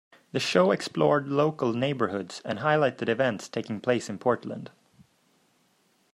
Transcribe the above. The show explored local neighborhoods and highlighted events taking place in Portland.